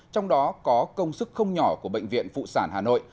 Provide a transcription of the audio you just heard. trong đó có công sức không nhỏ của bệnh viện phụ sản hà nội